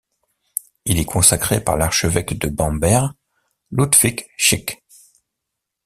Il est consacré par l'archevêque de Bamberg, Ludwig Schick.